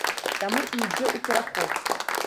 Таму і ідзе ў пераход.